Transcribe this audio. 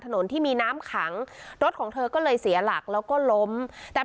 ถนนที่มีน้ำขังรถของเธอก็เลยเสียหลักแล้วก็ล้มแต่